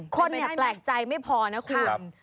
คนเนี่ยแปลกใจไม่พอนะครับ